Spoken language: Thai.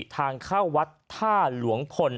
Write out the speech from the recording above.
ทางเข้าวัดท่าหลวงพล